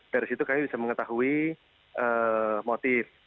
dari situ kami bisa mengetahui motif